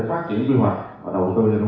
phát triển quy hoạch và đầu tư